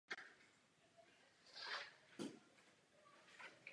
Musíme poskytovat bezpečné a vysoce kvalitní potraviny za přijatelné ceny.